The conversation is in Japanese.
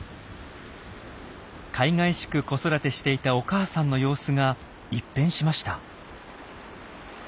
かいがいしく子育てしていたお母さんの様子が一変しました。